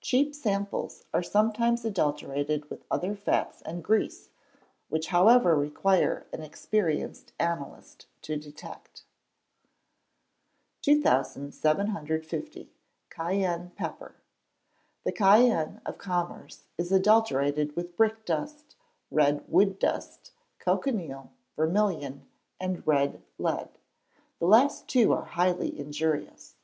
Cheap samples are sometimes adulterated with other fats and grease, which however require an experienced analyst to detect. 2750. Cayenne Pepper. The cayenne of commerce is adulterated with brickdust, red wood dust, cochineal, vermilion, and red lead. The last two are highly injurious.